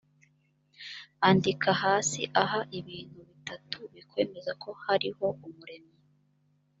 andika hasi aha ibintu bitatu bikwemeza ko hariho umuremyi